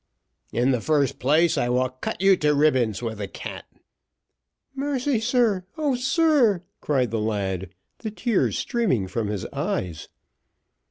"In the first place, I will cut you to ribbons with the cat." "Mercy, sir O sir!" cried the lad, the tears streaming from his eyes.